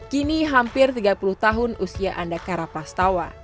kini hampir tiga puluh tahun usia anda cara pras tawa